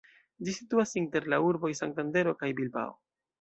Ĝi situas inter la urboj Santandero kaj Bilbao.